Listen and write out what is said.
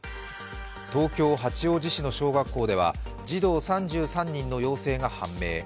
東京・八王子市の小学校では児童３３人の陽性が判明。